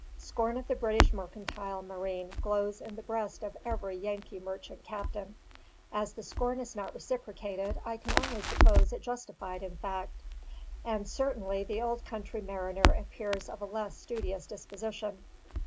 Scorn of the British mercantile marine glows in the breast of every Yankee merchant captain; as the scorn is not reciprocated, I can only suppose it justified in fact; and certainly the old country mariner appears of a less studious disposition.